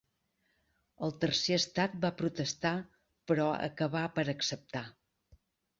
El tercer estat va protestar, però acabà per acceptar.